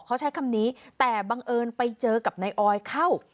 เขาใช้คำนี้แต่บังเอิญไปเจอกับนายออยเข้า